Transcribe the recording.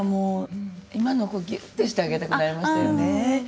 今の子をぎゅっとしてあげたくなりましたよね。